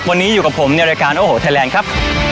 วันนี้อยู่กับผมในรายการโอ้โหไทยแลนด์ครับ